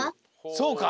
そうか。